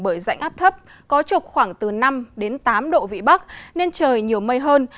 bởi rãnh áp thấp có trục khoảng từ năm tám độ vị bắc nên trời nhiều mây hơn